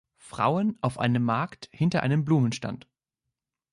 Frauen auf einem Markt hinter einem Blumenstand.